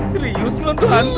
serius loh itu hantu